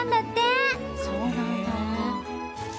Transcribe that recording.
そうなんだ。